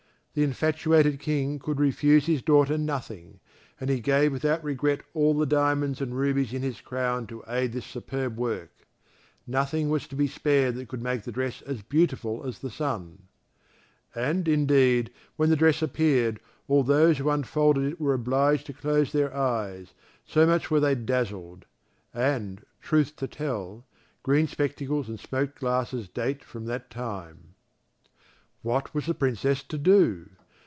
The infatuated King could refuse his daughter nothing, and he gave without regret all the diamonds and rubies in his crown to aid this superb work; nothing was to be spared that could make the dress as beautiful as the sun. And, indeed, when the dress appeared, all those who unfolded it were obliged to close their eyes, so much were they dazzled. And, truth to tell, green spectacles and smoked glasses date from that time. What was the Princess to do?